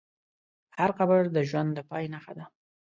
هر قبر د ژوند د پای نښه ده.